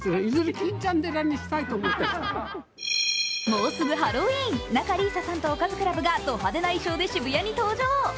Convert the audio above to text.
もうすぐハロウィーン、仲里依紗さんとおかずクラブがド派手な衣装で渋谷に登場。